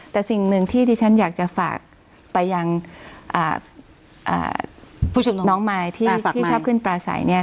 แต่สิ่งหนึ่งที่ที่ฉันอยากจะฝากไปอย่างน้องมายที่ชอบขึ้นปราศัยเนี่ย